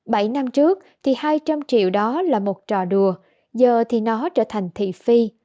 bảy năm trước thì hai trăm linh triệu đó là một trò đùa giờ thì nó trở thành thị phi